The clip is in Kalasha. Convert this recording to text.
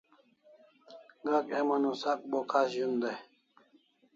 Gak heman o sak bo khas zun day